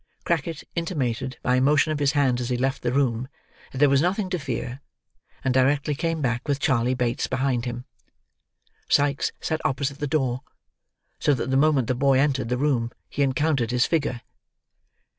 Crackit intimated, by a motion of his hand as he left the room, that there was nothing to fear; and directly came back with Charley Bates behind him. Sikes sat opposite the door, so that the moment the boy entered the room he encountered his figure.